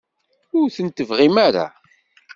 Ur tent-tebɣim ara?